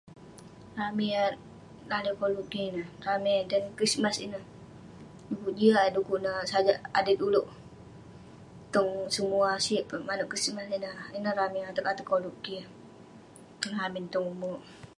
Ramey yah lalek koluk kik ineh, ramey dan krismas ineh. Dekuk jiak eh, dekuk nah sajak adet ulouk. Tong semuah, sik peh manouk krismas ineh. Ineh ramey ateg ateg koluk kik, tong lamin tong ume'.